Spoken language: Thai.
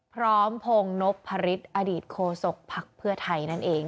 พร้อมพงศ์นบภริษย์อดีตโคศกภักดิ์เพื่อไทยนั่นเอง